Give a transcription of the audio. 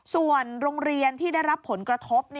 ส่วนโรงเรียนที่ได้รับผลกระทบ